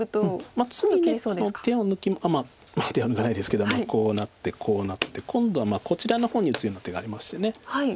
まあ手は抜かないですけどもこうなってこうなって今度はこちらの方に打つような手がありまして。